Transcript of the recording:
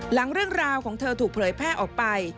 หลังเรื่องราวของเธอถูกเผยแพร่ออกไป